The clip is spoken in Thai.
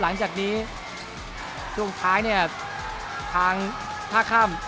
หลังจากนี้ช่วงท้ายเนี่ยทางท่าข้าม